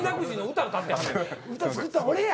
歌作ったん俺や！